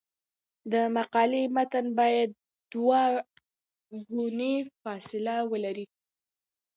د مقالې متن باید دوه ګونی فاصله ولري.